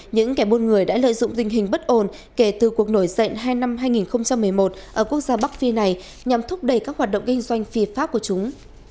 những kẻ buôn người đã lợi dụng tình hình bất ổn kể từ cuộc nổi dậy hai năm hai nghìn một mươi một ở quốc gia bắc phi này nhằm thúc đẩy các hoạt động kinh doanh phi pháp của chúng